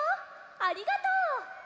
ありがとう！